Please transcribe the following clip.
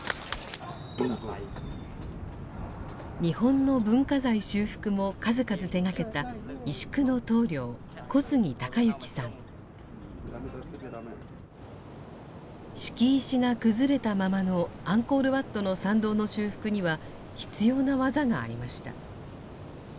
日本の文化財修復も数々手がけた敷石が崩れたままのアンコール・ワットの参道の修復には必要な技がありました。